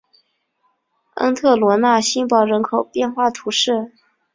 恩特罗讷新堡人口变化图示